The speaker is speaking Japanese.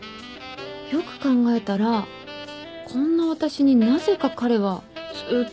よく考えたらこんな私になぜか彼はずっと優しくて。